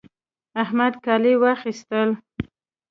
احمد کالي واخيستل